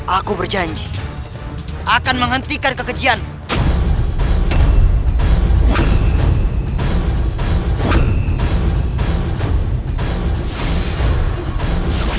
aku berjanji akan menghentikan kekejian